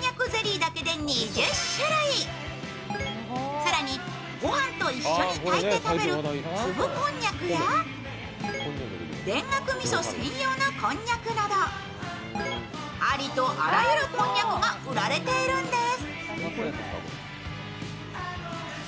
更に、御飯と一緒に炊いて食べるつぶこんにゃくや、田楽みそ専用のこんにゃくなどありとあらゆるこんにゃくが売られているんです。